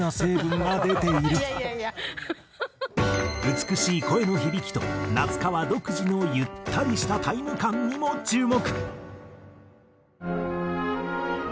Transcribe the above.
美しい声の響きと夏川独自のゆったりしたタイム感にも注目。